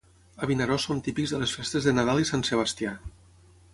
A Vinaròs són típics de les festes de Nadal i Sant Sebastià.